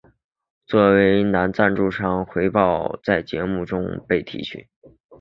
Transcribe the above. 作为对赞助商的回报会在节目中被提及。